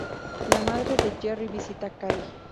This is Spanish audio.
La madre de Jerry visita a Kay.